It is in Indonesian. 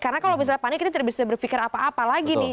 karena kalau misalnya panik kita tidak bisa berpikir apa apa lagi nih